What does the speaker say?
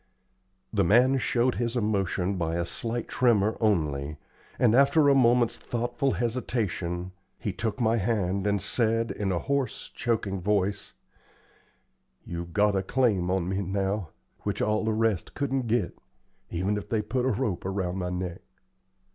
The man showed his emotion by a slight tremor only, and after a moment's thoughtful hesitation he took my hand and said, in a hoarse, choking voice: "You've got a claim on me now which all the rest couldn't git, even if they put a rope around my neck.